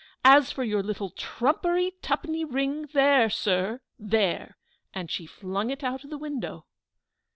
As for your little trumpery two penny ring, there, sir there!" And she flung it out of the window.